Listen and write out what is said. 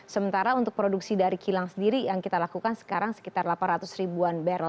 sementara untuk produksi dari kilang sendiri yang kita lakukan sekarang sekitar delapan ratus ribuan barrel